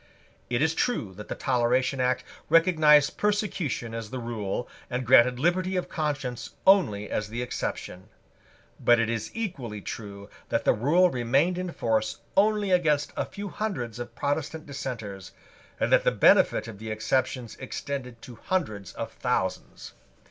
It is true that the Toleration Act recognised persecution as the rule, and granted liberty of conscience only as the exception. But it is equally true that the rule remained in force only against a few hundreds of Protestant dissenters, and that the benefit of the exceptions extended to hundreds of thousands.